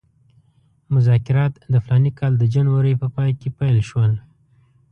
مذاکرات د فلاني کال د جنورۍ په پای کې پیل شول.